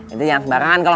eh punya kunci surga baik